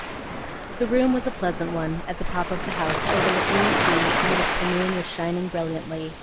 The room was a pleasant one, at the top of the house, overlooking the sea, on which the moon was shining brilliantly.